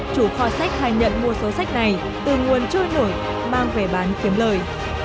chủ kho sách hay nhận mua số sách này từ nguồn trôi nổi mang về bán kiếm lời